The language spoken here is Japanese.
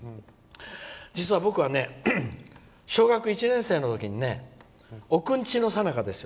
実は、僕は小学１年生の時にねおくんちのさなかですよ。